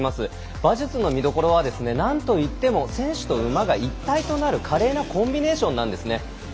馬術の見どころは何といっても選手と馬が一体となる華麗なコンビネーションなんですね。